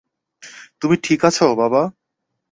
তুমি ঠিক আছো, বাবা?